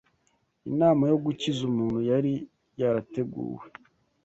inama yo gukiza umuntu yari yarateguwe,